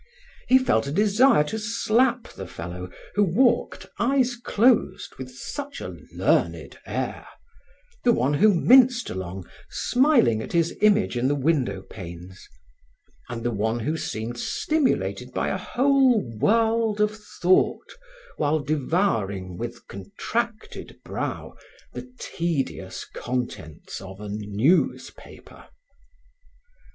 He felt a desire to slap the fellow who walked, eyes closed, with such a learned air; the one who minced along, smiling at his image in the window panes; and the one who seemed stimulated by a whole world of thought while devouring, with contracted brow, the tedious contents of a newspaper.